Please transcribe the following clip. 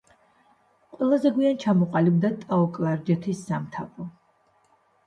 ყველაზე გვიან ჩამოყალიბდა ტაო-კლარჯეთის სამთავრო.